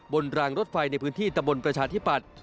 รางรถไฟในพื้นที่ตะบนประชาธิปัตย์